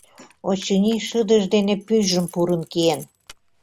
Очыни, шыдыж дене пӱйжым пурын киен.